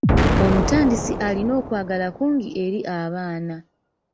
Omutandisi alina okwagala kungi eri abaana.